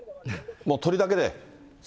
もう鳥だけで？